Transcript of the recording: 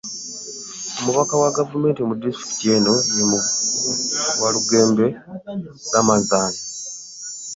Omubaka wa gavumenti mu disitulikiti eno, ye Walugembe Ramathan